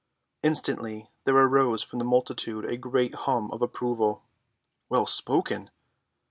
Instantly there arose from the multitude a great hum of approval. "Well spoken!"